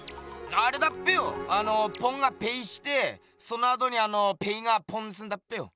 あれだっぺよあのポンがペイしてそのあとにあのペイがポンすんだっぺよ。